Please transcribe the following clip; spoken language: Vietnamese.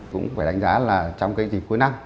cũng phải đánh giá là trong cái dịp cuối năm